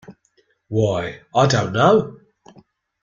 Why, I don't know.